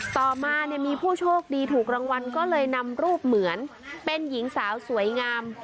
ต่อมาเนี่ยมีผู้โชคดีถูกรางวัลก็เลยนำรูปเหมือนเป็นหญิงสาวสวยงาม